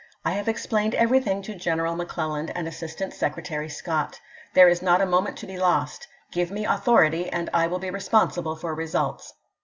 I have explained ch. xviii. everything to General McClellan and Assistant Secretary Scott. There is not a moment to be lost, ^l^^t^^ Give me authority, and I will be responsible for mi^w^'n. results."